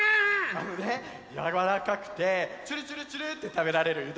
あのねやわらかくてちゅるちゅるちゅるってたべられるう